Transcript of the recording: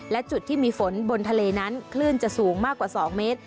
และจุดที่มีฝนบนทะเลนั้นคลื่นจะสูงมากกว่า๒เมตร